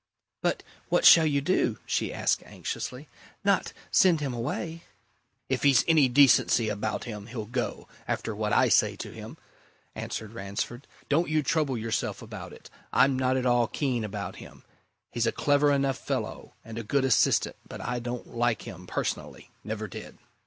"But what shall you do?" she asked anxiously. "Not send him away?" "If he's any decency about him, he'll go after what I say to him," answered Ransford. "Don't you trouble yourself about it I'm not at all keen about him. He's a clever enough fellow, and a good assistant, but I don't like him, personally never did."